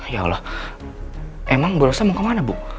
ya allah emang berusaha mau kemana bu